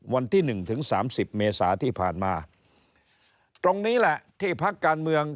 วันที่๑ถึง๓๐เมษาที่ผ่านมาตรงนี้แหละที่พักการเมือง